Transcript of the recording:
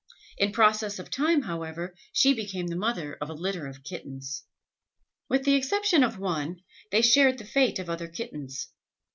In process of time, however, she became the mother of a litter of kittens. With the exception of one, they shared the fate of other kittens.